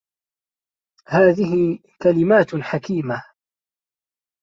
هذه كلمات حكيمة.